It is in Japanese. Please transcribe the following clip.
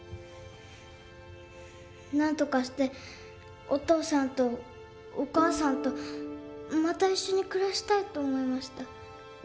なんとかしてお父さんとお母さんとまた一緒に暮らしたいと思いました。